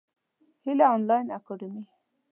هیله انلاین اکاډمي.